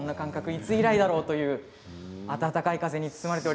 いつ以来だろうというような暖かい風です。